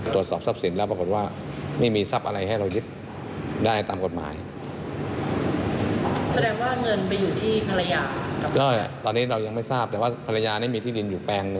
ตรวจสอบทรัพย์สินแล้วปรากฏว่าไม่มีทรัพย์อะไรให้เรายึดได้ตามกฎหมาย